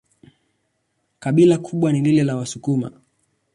Kabila kubwa ni lile la Wasukuma.